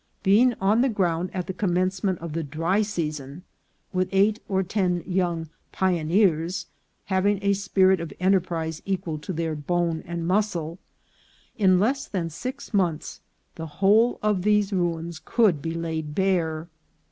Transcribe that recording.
Being on the ground at the commencement of the dry season, with eight or ten young " pioneers," having a spirit of enterprise equal to their bone and muscle, in less than six months the whole of these ruins could be laid bare.